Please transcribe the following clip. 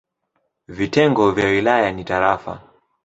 Vitengo vya wilaya ni tarafa.